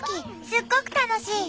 すっごく楽しい！